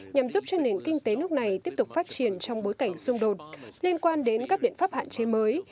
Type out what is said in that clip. nhằm giúp cho nền kinh tế nước này tiếp tục phát triển trong bối cảnh xung đột liên quan đến các biện pháp hạn chế mới